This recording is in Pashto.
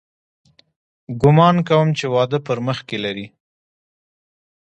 ګومان کوم چې واده په مخ کښې لري.